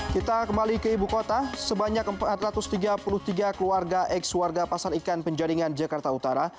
kita kembali ke ibu kota sebanyak empat ratus tiga puluh tiga keluarga eks warga pasar ikan penjaringan jakarta utara